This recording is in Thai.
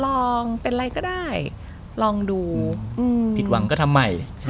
ออกไปทำ